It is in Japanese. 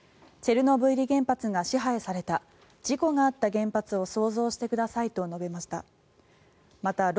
チェルノブイリ原発が支配された事故があった原発を想像してくださいと述べました。